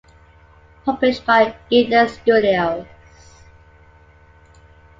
Published by Eden Studios.